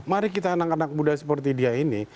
mari kita anak anak muda seperti dia ini